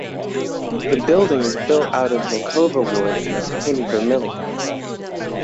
The building is built of zelkova wood and is painted vermillion.